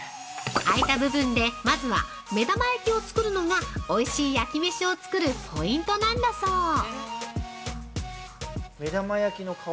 空いた部分でまずは目玉焼きを作るのが、おいしい焼きめしを作るポイントなんだそう。